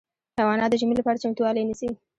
حیوانات د ژمي لپاره چمتووالی نیسي.